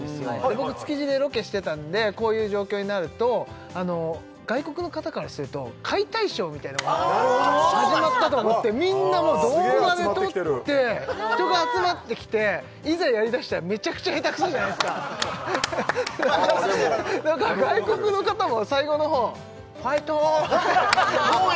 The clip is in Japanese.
僕築地でロケしてたんでこういう状況になるとあの外国の方からすると解体ショーみたいなものが始まったと思ってみんなもう動画で撮って人が集まってきていざやりだしたらめちゃくちゃヘタクソじゃないっすか外国の方も最後のほう「ファイトー」応援？